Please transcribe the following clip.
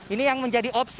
ini yang menjadi ongkir